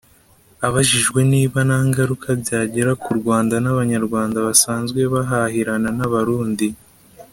Abajijwe niba nta ngaruka byagira ku Rwanda n’Abanyarwanda basanzwe bahahirana n’Abarundi